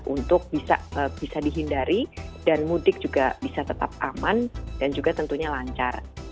untuk bisa dihindari dan mudik juga bisa tetap aman dan juga tentunya lancar